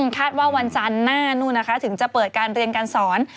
คาดว่าวันจันทร์หน้านู่นนะคะถึงจะเปิดการเรียนการสอน